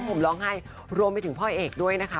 อยู่กันลางให้รวมไปถึงพ่อเอกด้วยนะคะ